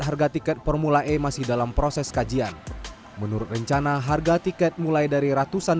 harga tiket formula e masih dalam proses kajian menurut rencana harga tiket mulai dari ratusan